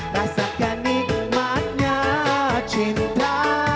rasakan nikmatnya cinta